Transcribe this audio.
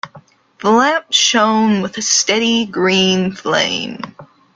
The lamp shone with a steady green flame.